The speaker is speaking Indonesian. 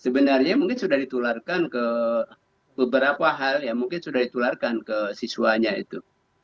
sebenarnya mungkin sudah ditularkan ke beberapa hal yang mungkin sudah ditularkan ke siswanya itu